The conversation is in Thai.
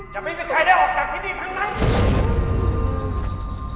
จะไม่มีใครได้ออกจากที่นี่ทั้งนั้น